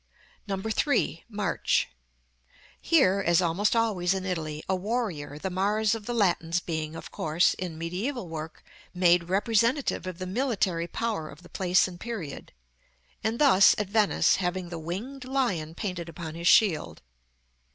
3. MARCH. Here, as almost always in Italy, a warrior: the Mars of the Latins being of course, in mediæval work, made representative of the military power of the place and period; and thus, at Venice, having the winged Lion painted upon his shield.